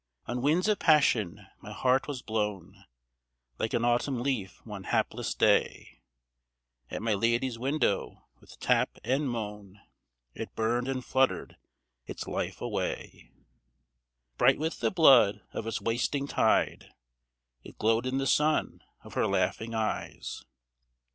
On winds of passion my heart was blown, Like an autumn leaf one hapless day. At my lady's window with tap and moan It burned and fluttered its life away. Bright with the blood of its wasting tide It glowed in the sun of her laughing eyes.